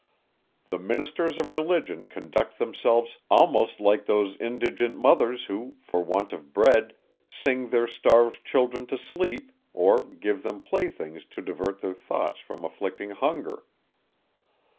The ministers of religion conduct themselves almost like those indigent mothers, who, for want of bread, sing their starved children to sleep, or give them playthings to divert their thoughts from afflicting hunger.